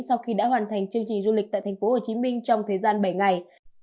sau khi đã hoàn thành chương trình du lịch tại thành phố hồ chí minh trong thời gian bảy ngày